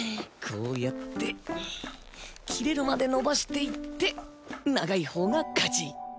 こうやって切れるまで伸ばしていって長い方が勝ち。